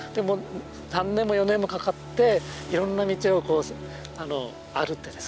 ３年も４年もかかっていろんな道をこう歩ってですね